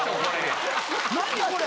・何これ？